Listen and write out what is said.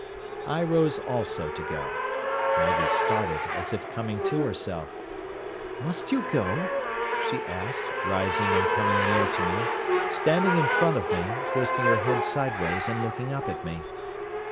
I rose also to go. Maggie started as if coming to herself. "Must you go?" she asked, rising and coming near to me, standing in front of me, twisting her head sideways and looking up at me.